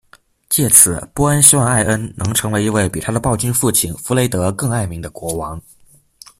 藉此波恩希望艾恩能成为一位比他的暴君父亲弗雷恩更爱民的国王。